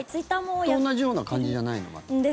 それと同じような感じじゃないのかな。